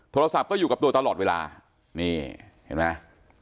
โทรศัพท์ก็อยู่กับตัวตลอดเวลานี่เห็นไหม